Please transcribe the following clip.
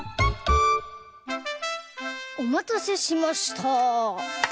おまたせしました。